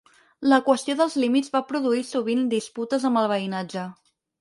La qüestió dels límits va produir sovint disputes amb el veïnatge.